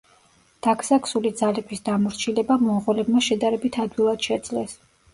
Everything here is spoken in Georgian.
დაქსაქსული ძალების დამორჩილება მონღოლებმა შედარებით ადვილად შეძლეს.